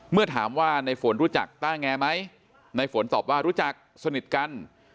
เมื่อถามว่าในฝนรู้จักต้าแงไหมในฝนตอบว่ารู้จักสนิทกัน